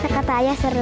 kata ayah seru